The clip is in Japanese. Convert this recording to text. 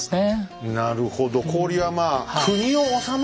なるほど。